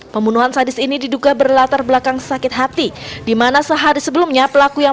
pembunuhan sadis ini diduga berlatar belakang sakit hati dimana sehari sebelumnya pelaku yang